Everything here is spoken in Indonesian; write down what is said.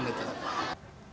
nggak bisa dipejarakan